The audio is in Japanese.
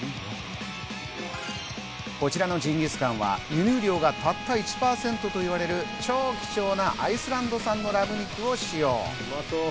こちらのジンギスカンは輸入量がわずか１％といわれる超貴重なアイスランド産のラム肉を使用。